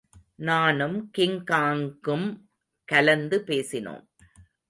நானும் கிங்காங்கும் கலந்து பேசினோம்.